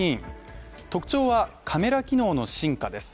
特徴はカメラ機能の進化です